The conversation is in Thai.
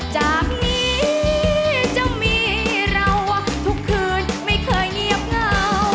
จากนี้จะมีเราทุกคืนไม่เคยเงียบเหงา